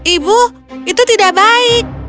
ibu itu tidak baik